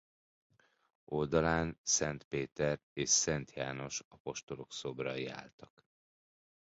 Oldalán Szent Péter és Szent János apostolok szobrai álltak.